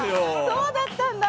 そうだったんだ。